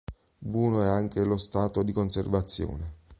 Buono è anche lo stato di conservazione.